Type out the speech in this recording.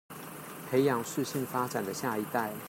培養適性發展的下一代